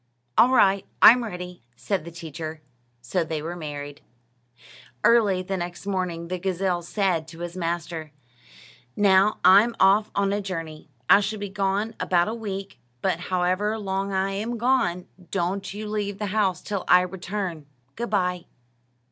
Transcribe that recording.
"All right; I'm ready," said the teacher. So they were married. Early the next morning the gazelle said to his master: "Now I'm off on a journey. I shall be gone about a week; but however long I am gone, don't you leave the house till I return. Good bye."